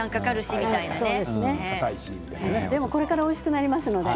これからおいしくなりますのでね。